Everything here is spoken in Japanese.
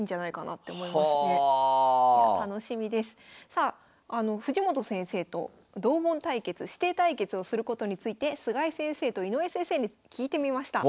さあ藤本先生と同門対決師弟対決をすることについて菅井先生と井上先生に聞いてみました。